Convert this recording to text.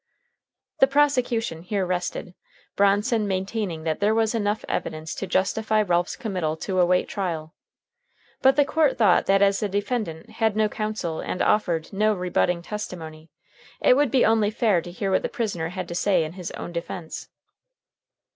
The prosecution here rested, Bronson maintaining that there was enough evidence to justify Ralph's committal to await trial. But the court thought that as the defendant had no counsel and offered no rebutting testimony, it would be only fair to hear what the prisoner had to say in his own defense.